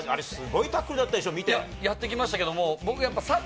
あれすごいタックルだったでしょ？